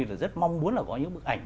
rất mong muốn là có những bức ảnh